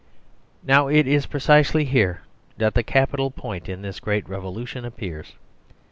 Now it is precisely here that the capital point in this great revolution appears.